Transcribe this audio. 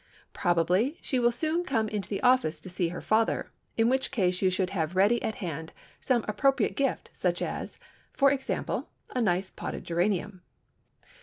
Probably she will soon come into the office to see her father, in which case you should have ready at hand some appropriate gift, such as, for example, a nice potted geranium.